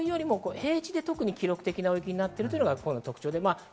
新潟でも山沿いよりも平地で特に記録的な大雪になっているのが特徴です。